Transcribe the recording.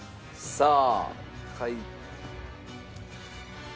さあ。